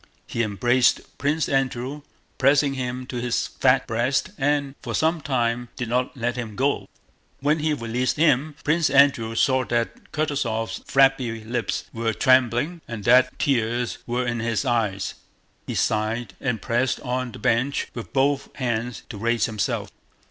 He embraced Prince Andrew, pressing him to his fat breast, and for some time did not let him go. When he released him Prince Andrew saw that Kutúzov's flabby lips were trembling and that tears were in his eyes. He sighed and pressed on the bench with both hands to raise himself.